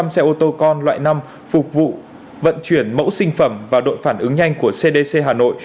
một mươi xe ô tô con loại năm phục vụ vận chuyển mẫu sinh phẩm và đội phản ứng nhanh của cdc hà nội